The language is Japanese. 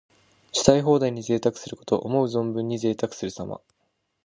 したい放題に贅沢すること。思う存分にぜいたくするさま。